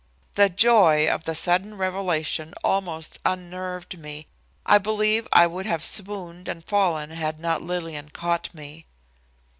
The joy of the sudden revelation almost unnerved me. I believe I would have swooned and fallen had not Lillian caught me.